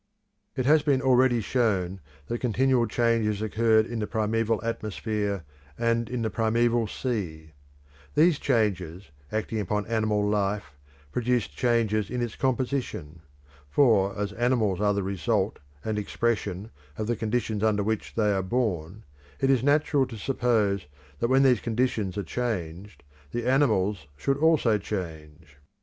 It has been already shown that continual changes occurred in the primeval atmosphere and in the primeval sea. These changes acting upon animal life produced changes in its composition. For as animals are the result and expression of the conditions under which they are born, it is natural to suppose that when these conditions are changed, the animals should also change.